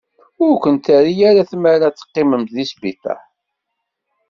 Ur kent-terri ara tmara ad teqqimemt deg sbiṭar.